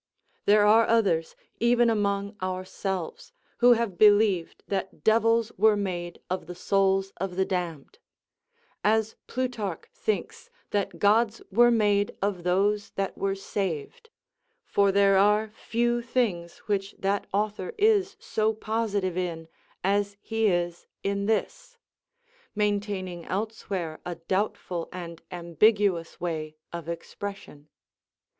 There are others, even among ourselves, who have believed that devils were made of the souls of the damned; as Plutarch thinks that gods were made of those that were saved; for there are few things which that author is so positive in as he is in this; maintaining elsewhere a doubtful and ambiguous way of expression.